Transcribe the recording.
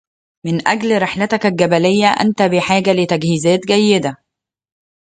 من أجل رحلتك الجبلية أنت بحاجة لتجهيزات جيدة.